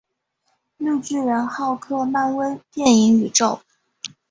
绿巨人浩克漫威电影宇宙